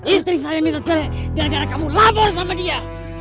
istri saya minta gara gara kamu lapor sama dia